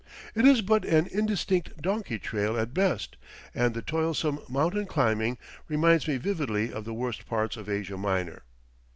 It is but an indistinct donkey trail at best, and the toilsome mountain climbing reminds me vividly of the worst parts of Asia Minor.